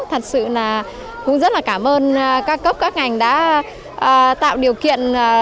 thật sự là cũng rất là cảm ơn các cấp các ngành đã tạo điều kiện